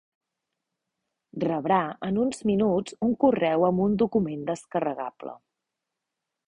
Rebrà en uns minuts un correu amb un document descarregable.